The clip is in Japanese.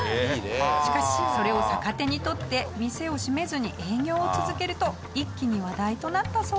しかしそれを逆手に取って店を閉めずに営業を続けると一気に話題となったそうです。